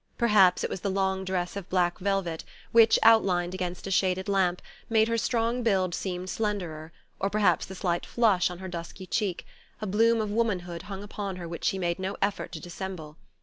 Perhaps it was the long dress of black velvet which, outlined against a shaded lamp, made her strong build seem slenderer, or perhaps the slight flush on her dusky cheek: a bloom of womanhood hung upon her which she made no effort to dissemble.